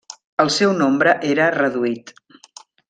El seu nombre era reduït.